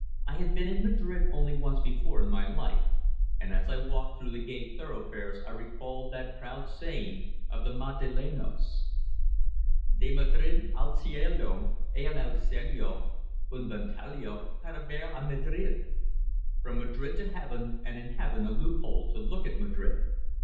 I had been in Madrid only once before in my life, and as I walked through the gay thoroughfares I recalled that proud saying of the Madrileños: "De Madrid al cielo y en el cielo un ventanillo para ver á Madrid" (From Madrid to Heaven, and in Heaven a loophole to look at Madrid).